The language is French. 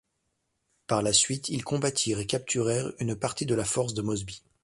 Par la suite, ils combattirent et capturèrent une partie de la force de Mosby.